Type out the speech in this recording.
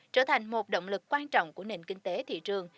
trở thành một động lực quan trọng của nền kinh tế thị trường